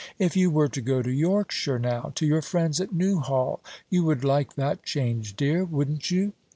If you were to go to Yorkshire, now, to your friends at Newhall, you would like that change, dear, wouldn't you?"